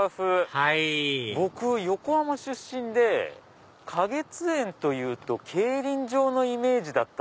はい僕横浜出身で花月園というと競輪場のイメージ。